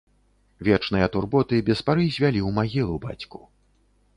Вечныя турботы без пары звялі ў магілу бацьку.